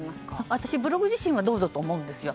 私、ブログ自体はどうぞと思うんですよ。